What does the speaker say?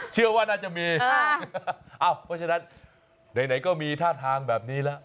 เชื่อว่าน่าจะมีเพราะฉะนั้นไหนก็มีท่าทางแบบนี้แล้ว